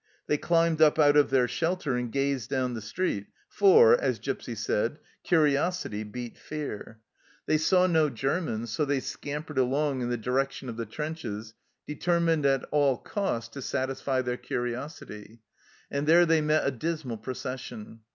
They climbed up out of their shelter and gazed down the street, for, as Gipsy said, " Curiosity beat fear." They saw no 150 THE CELLAR HOUSE OF PERVYSE Germans, so they scampered along in the direction of the trenches, determined at all costs to satisfy their curiosity, and there they met a dismal pro cession.